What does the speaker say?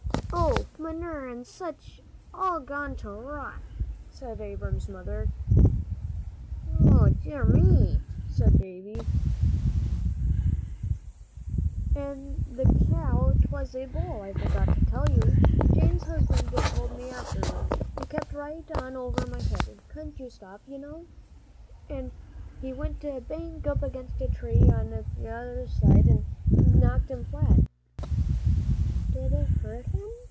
"Oh, manure an' sich, all gone to rot," said Abram's mother. "O dear me!" said Davie. "An' that cow 'twas a bull, I forgot to tell you, Jane's husban' told me afterwards he kept right on over my head, couldn't stop, you know, an' he went bang up against a tree on t'other side, an' it knocked him flat." "Did it hurt him?"